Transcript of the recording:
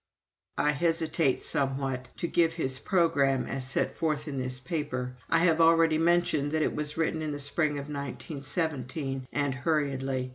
I hesitate somewhat to give his programme as set forth in this paper. I have already mentioned that it was written in the spring of 1917, and hurriedly.